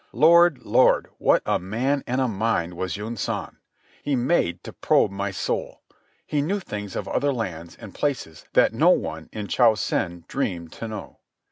Lord, Lord, what a man and a mind was Yunsan! He made to probe my soul. He knew things of other lands and places that no one in Cho Sen dreamed to know.